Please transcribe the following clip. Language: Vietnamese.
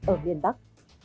ở miền bắc